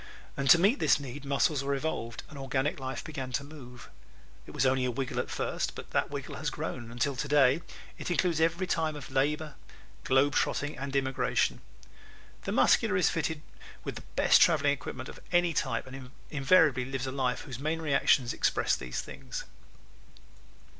To meet this need muscles were evolved, and organic life began to move. It was only a wiggle at first, but that wiggle has grown till today it includes every kind of labor, globe trotting and immigration. The Muscular is fitted with the best traveling equipment of any type and invariably lives a life whose main reactions express these things.